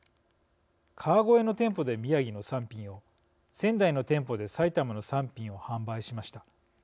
川越の店舗で宮城の産品を仙台の店舗で埼玉の産品を販売しました。